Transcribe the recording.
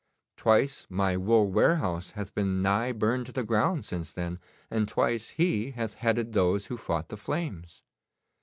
Twice my wool warehouse hath been nigh burned to the ground since then, and twice he hath headed those who fought the flames.